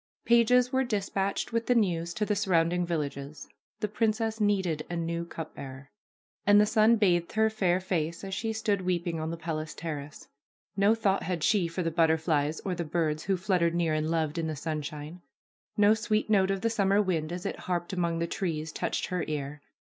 Pages were dispatched with the news to the surrounding villages ; the princess needed a new cup bearer. And the sun bathed her fair face as she stood weeping on the palace terrace. No thought had she for the butterflies or the birds who fluttered near and loved in the sunshine. No sweet note of the summer wind as it harped among the trees touched her ear.